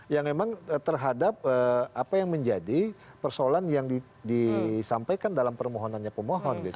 yang memang terhadap apa yang menjadi persoalan yang disampaikan dalam permohonannya pemohon gitu